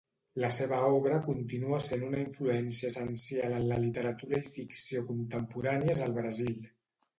La seva obra continua sent una influència essencial en la literatura i ficció contemporànies al Brasil.